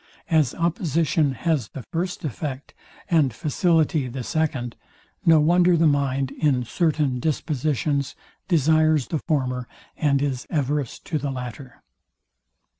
As opposition has the first effect, and facility the second, no wonder the mind, in certain dispositions, desires the former, and is averse to the latter.